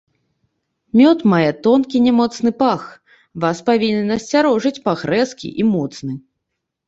Мёд мае тонкі, нямоцны пах, вас павінен насцярожыць пах рэзкі і моцны.